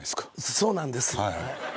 そうなんです。